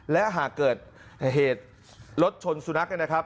และหากเกิดเหตุรถชนสุนัขนะครับ